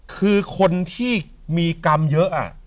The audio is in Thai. คือคนที่มีกรรมเยอะ